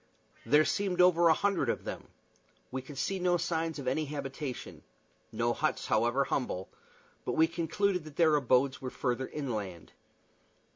There seemed over a hundred of them. We could see no signs of any habitations no huts, however humble; but we concluded that their abodes were farther inland.